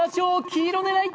黄色狙い！